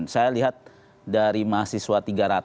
saya lihat dari mahasiswa